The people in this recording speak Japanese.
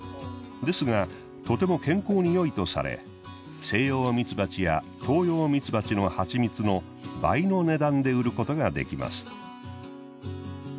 ですがとても健康によいとされセイヨウミツバチやトウヨウミツバチの蜂蜜の倍の値段で売ることができます。